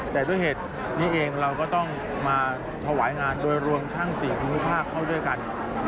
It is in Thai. แต่ด้วยเหตุนี้เองเราก็ต้องมาถวายงานโดยรวมทั้ง๔ภูมิภาคเข้าด้วยกัน